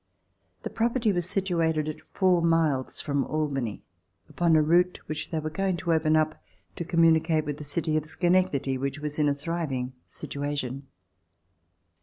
The property was situated at four miles from Albany, upon a route which they were going to open up to communicate with the city of Schenectady, which was in a thriving situation.